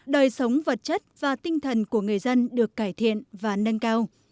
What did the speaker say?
đời sống vật chất và tinh thần của người dân được cải thiện và nâng cao